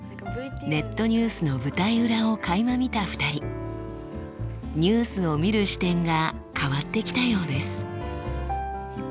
ネットニュースの舞台裏をかいま見た２人ニュースを見る視点が変わってきたようです。